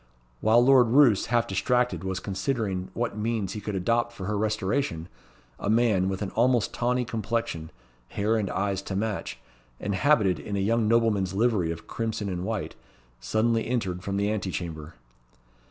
While Lord Roos, half distracted, was considering what means he could adopt for her restoration, a man, with an almost tawny complexion, hair and eyes to match, and habited in the young nobleman's livery of crimson and white, suddenly entered from the ante chamber.